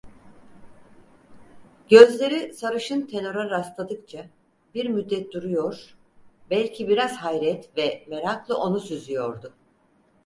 Gözleri sarışın tenora rastladıkça bir müddet duruyor, belki biraz hayret ve merakla onu süzüyordu.